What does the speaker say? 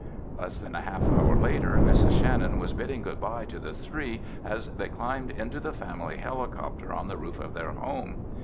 Less than a half hour later, Mrs. Shannon was bidding goodbye to the three as they climbed into the family helicopter on the roof of their home.